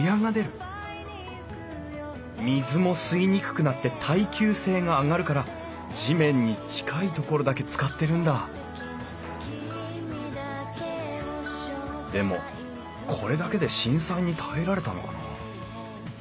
水も吸いにくくなって耐久性が上がるから地面に近いところだけ使ってるんだでもこれだけで震災に耐えられたのかな？